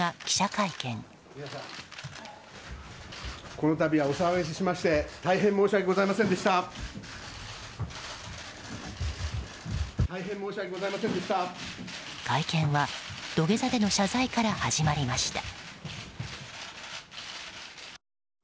会見は土下座での謝罪から始まりました。